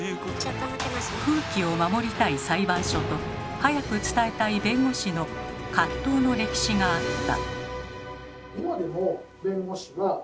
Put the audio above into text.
風紀を守りたい裁判所と早く伝えたい弁護士の葛藤の歴史があった。